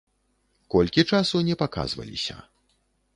Колькі часу не паказваліся.